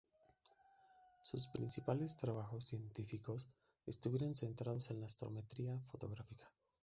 Sus principales trabajos científicos estuvieron centrados en la astrometría fotográfica.